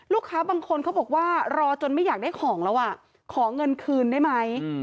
บางคนเขาบอกว่ารอจนไม่อยากได้ของแล้วอ่ะขอเงินคืนได้ไหม